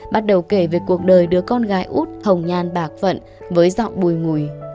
bắt đầu kể về cuộc đời đứa con gái út hồng nhan bạc vận với giọng bùi ngùi